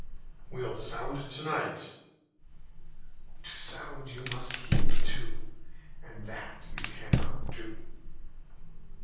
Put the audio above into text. "We'll sound to night." "To sound you must heave to, and that you cannot do."